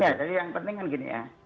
ya jadi yang penting kan gini ya